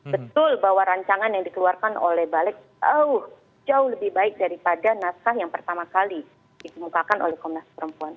betul bahwa rancangan yang dikeluarkan oleh balik jauh lebih baik daripada naskah yang pertama kali dikemukakan oleh komnas perempuan